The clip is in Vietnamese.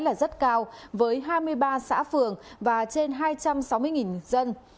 là rất cao với hai mươi ba xã phường và trên hai trăm sáu mươi người dân